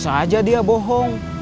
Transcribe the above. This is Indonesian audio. saaja dia bohong